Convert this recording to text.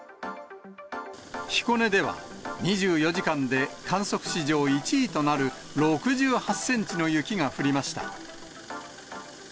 彦根では、２４時間で観測史上１位となる６８センチの雪が降りました。